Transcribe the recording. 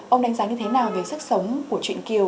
ông đánh giá như thế nào về sức sống của chuyện kiều